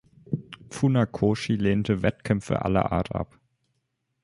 Funakoshi lehnte Wettkämpfe aller Art ab.